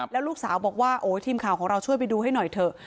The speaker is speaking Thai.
แล้วลูกสาวบอกว่าโอ้ยทีมข่าวของเราช่วยไปดูให้หน่อยเถอะ